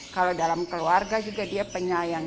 kalau dalam keluarga juga dia penyayang